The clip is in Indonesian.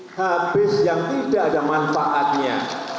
habis yang tidak ada manfaatnya